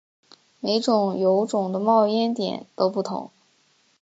每种油种的冒烟点都不同。